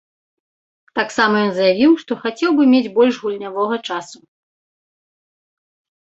Таксама ён заявіў, што хацеў бы мець больш гульнявога часу.